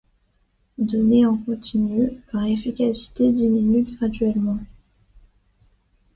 Donnés en continu, leur efficacité diminue graduellement.